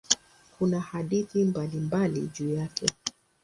Kuna hadithi mbalimbali juu yake.